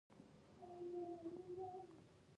هغه مواد چې د اچار یا ترشۍ په جوړولو کې ترې ګټه اخلئ.